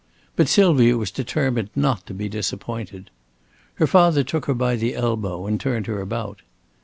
But Sylvia was determined not to be disappointed. Her father took her by the elbow and turned her about.